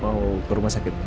mau ke rumah sakit